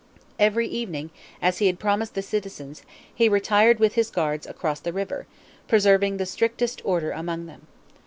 Every evening, as he had promised the citizens, he retired with his guards across the river, preserving the strictest order among them.